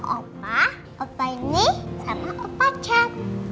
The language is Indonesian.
omah opah ini sama opah cem